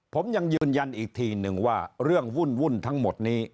ผมยังยืนยันอีกทีนึงว่าเรื่องวุ่นทั้งหมดนี้